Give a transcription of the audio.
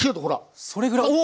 それぐらいおお！